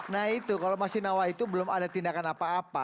nah itu kalau masih nawa itu belum ada tindakan apa apa